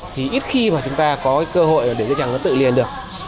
thì ít khi mà chúng ta có cơ hội để dây chằn tự liền được